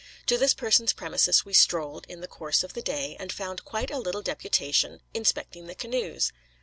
To this person's premises we strolled in the course of the day, and found quite a little deputation inspecting the canoes.